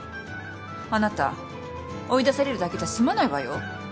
あなた追い出されるだけじゃ済まないわよ。